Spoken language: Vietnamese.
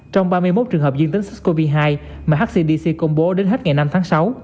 trong ba mươi một trường hợp dương tính sars cov hai mà hcdc công bố đến hết ngày năm tháng sáu